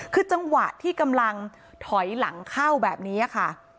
คือจังหวะที่กำลังถอยหลังเข้าแบบนี้ค่ะ